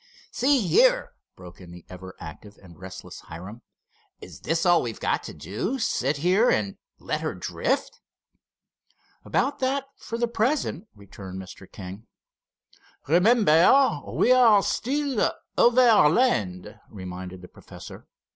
"See here," broke in the ever active and restless Hiram, "is this all we've got to do—sit here and let her drift?" "About that, for the present," returned Mr. King. "Remember, we are still over land," reminded the professor.